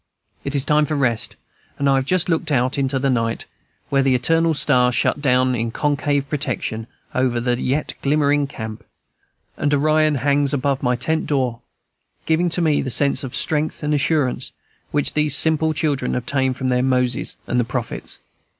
It is time for rest; and I have just looked out into the night, where the eternal stars shut down, in concave protection, over the yet glimmering camp, and Orion hangs above my tent door, giving to me the sense of strength and assurance which these simple children obtain from their Moses and the Prophets.